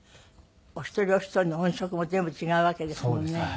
お一人お一人の音色も全部違うわけですもんね。